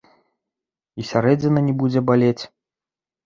І сярэдзіна не будзе балець.